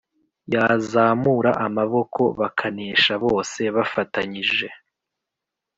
yazamura amaboko bakanesha bose bafatanyije